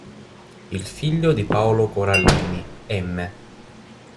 Il figlio di Paolo Corallini, M°.